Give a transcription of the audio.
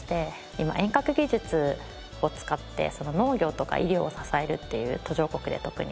今遠隔技術を使って農業とか医療を支えるっていう途上国で特に。